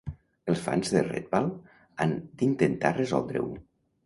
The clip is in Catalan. Els fans de Redwall han d'intentar resoldre-ho...